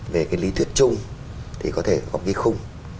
về cái lý thuyết chung thì có thể có cái khung